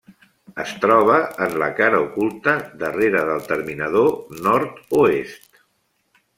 Es troba en la cara oculta, darrere del terminador nord-oest.